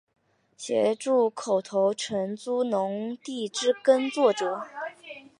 协助口头承租农地之耕作者